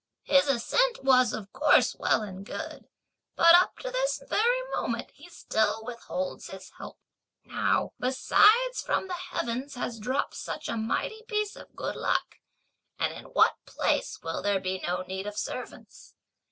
His assent was of course well and good, but up to this very moment he still withholds his help. Now besides from the heavens has dropped such a mighty piece of good luck; and in what place will there be no need of servants?